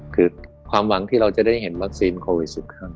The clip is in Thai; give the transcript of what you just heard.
คือความหวังที่เราจะได้เห็นวัคซีนโควิด๑๙